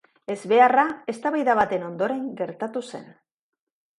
Ezbeharra eztabaida baten ondoren gertatu zen.